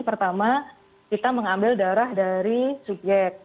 pertama kita mengambil darah dari subyek